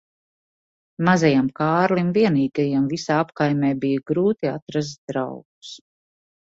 Mazajam Kārlim vienīgajam visā apkaimē bija grūti atrast draugus.